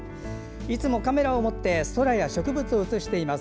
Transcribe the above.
いつもカメラを持って空や植物を写しています。